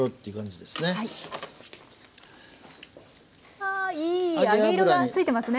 はいい揚げ色が付いてますね。